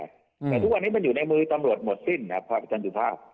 แต่ทุกวันนี้มันอยู่ในมือตำรวจหมดสิ้นครับอาจารย์สุภาพ